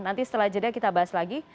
nanti setelah jeda kita bahas lagi